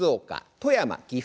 富山岐阜